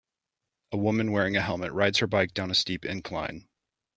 A woman wearing a helmet rides her bike down a steep incline.